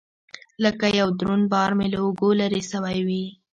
لكه يو دروند بار مې له اوږو لرې سوى وي.